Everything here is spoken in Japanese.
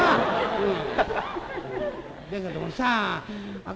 うん。